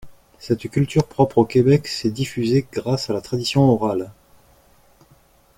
Cette culture propre au Québec s'est diffusée grâce à la tradition orale.